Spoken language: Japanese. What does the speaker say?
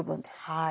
はい。